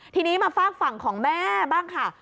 ทีนี้มาฝากฝั่งของแม่บ้างค่ะ